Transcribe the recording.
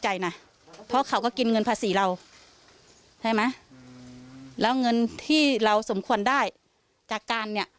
ใช่แล้วมันไม่ได้มันตัดแบบเนี้ย